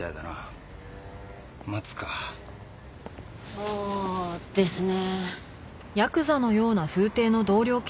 そうですね。